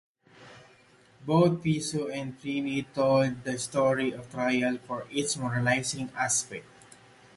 Both Piso and Pliny told the story of the trial for its moralizing aspect.